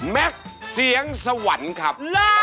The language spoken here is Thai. แม็กซ์เสียงสวรรค์ครับ